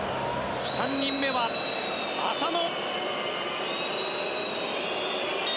３人目は浅野。